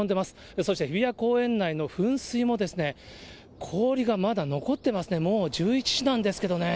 そして日比谷公園内の噴水も、氷がまだ残ってますね、もう１１時なんですけどね。